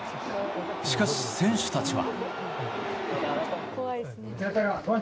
しかし、選手たちは。